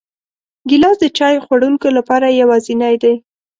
ګیلاس د چای خوړونکو لپاره یوازینی دی.